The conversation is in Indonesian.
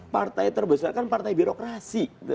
partai terbesar kan partai birokrasi